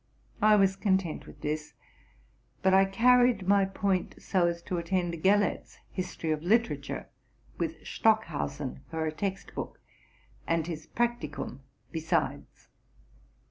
I was content with this; but I carried my point so as to attend Gellert's history of literature (with Stockhausen for a text book) , and his '* Prac ticum '' besides.